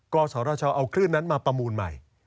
กศชเอาคลื่นนั้นมาประมูลใหม่